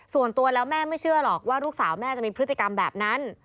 ส่วนตัวแล้วแม่ไม่เชื่อหรอกว่าลูกสาวแม่จะมีพฤติกรรมแบบนั้น